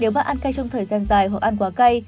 nếu bạn ăn ca trong thời gian dài hoặc ăn quá cay